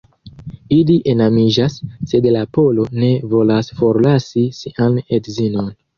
Ili enamiĝas, sed la polo ne volas forlasi sian edzinon.